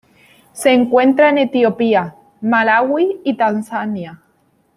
Se encuentra en Etiopía, Malaui y Tanzania.